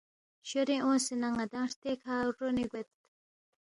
شورے اونگسے نہ ن٘دانگ ہرتے کھہ رونے گوید